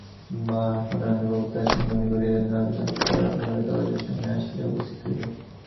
মা এখন রান্নায় প্রবৃত্ত আছেন মনে করিয়া নলিনাক্ষ রান্নাঘরের দরজার সামনে আসিয়া উপস্থিত হইল।